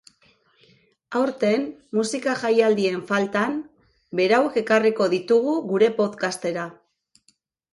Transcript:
Aurten, musika jaialdien faltan, berauek ekarriko ditugu gure podcastera.